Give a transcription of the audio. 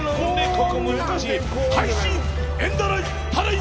ここ難しい。